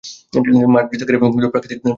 মাঠ বৃত্তাকার এবং প্রাকৃতিক ঘাসে আবৃত।